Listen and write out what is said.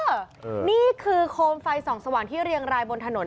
นี่คือโคมไฟส่องสว่างที่เรียงรายบนถนน